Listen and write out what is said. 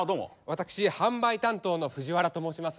私販売担当のふぢわらと申します。